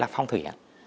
phong thủy ạ